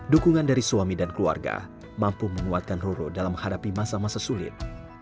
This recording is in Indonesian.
dukungan dari suami dan keluarga mampu menguatkan roro dalam hadapan kegiatan